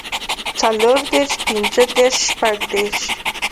څلور دېرش پنځۀ دېرش شپږ دېرش